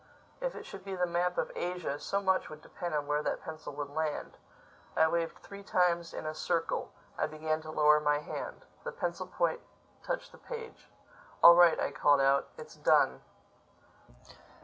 If it should be the map of Asia, so much would depend on where that pencil would land. I waved three times in a circle. I began to lower my hand. The pencil point touched the page. "All right," I called out, "it's done."